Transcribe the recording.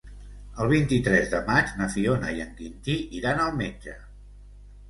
El vint-i-tres de maig na Fiona i en Quintí iran al metge.